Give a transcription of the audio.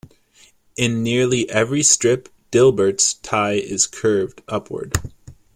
In nearly every strip, Dilbert's tie is curved upward.